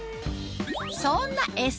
そんなＳ